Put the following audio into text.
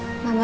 aku mau tau